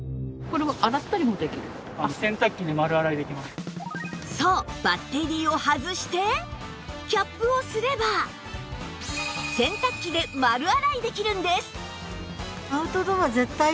しかしそうバッテリーを外してキャップをすれば洗濯機で丸洗いできるんです！